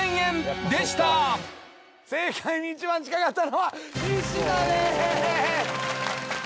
正解に一番近かったのはニシダです。